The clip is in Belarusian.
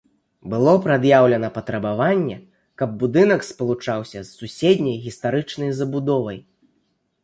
Было прад'яўлена патрабаванне, каб будынак спалучаўся з суседняй гістарычнай забудовай.